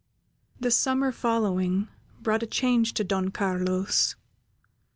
The summer following brought a change to Don Carlos.